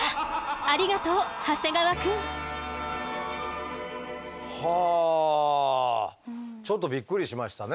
ありがとう長谷川くん。はあちょっとびっくりしましたね。